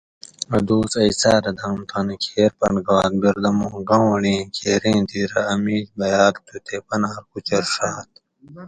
اۤ دوس ائ سارہ دام تانی کھیر پھر گات بیردمو گاونڑییں کھیریں دھیرہ ا میش بیال تھو تے پنار کوچۤر ڛاۤت